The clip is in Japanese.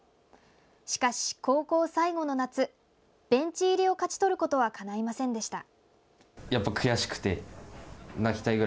しかし、高校最後の夏ベンチ入りを勝ち取ることはかないませんでした。